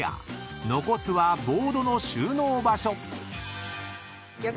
［残すはボードの収納場所］